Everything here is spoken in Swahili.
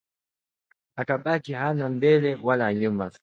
Akabaki hana mbele wala nyuma